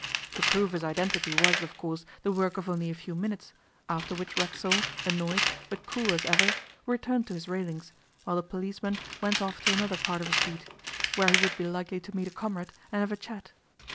To prove his identity was, of course, the work of only a few minutes, after which Racksole, annoyed, but cool as ever, returned to his railings, while the policeman went off to another part of his beat, where he would be likely to meet a comrade and have a chat.